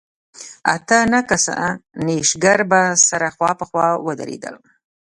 اته نه کسه نېشګر به سره خوا په خوا ودرېدل.